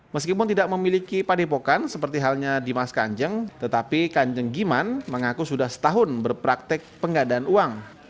meskipun tidak memiliki padepokan seperti halnya dimas kanjeng tetapi kanjeng giman mengaku sudah setahun berpraktek penggadaan uang